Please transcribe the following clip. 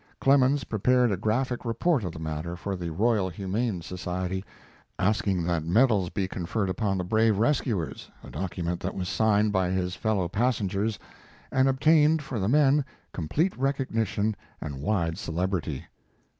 Clemens prepared a graphic report of the matter for the Royal Humane Society, asking that medals be conferred upon the brave rescuers, a document that was signed by his fellow passengers and obtained for the men complete recognition and wide celebrity.